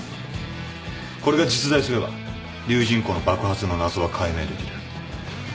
これが実在すれば龍仁湖の爆発の謎は解明できる。